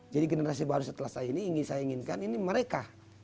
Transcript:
jadi generasi baru setelah saya ini ingin saya inginkan ini mereka